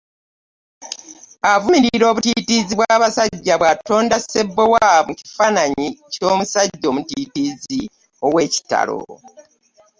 Avumirira obutiitiizi bw’abasajja bw’atonda Ssebbowa mu kifaananyi ky’omusajja omutiitiizi ow’ekitalo.